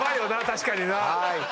確かにな。